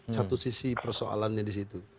satu sisi persoalannya disitu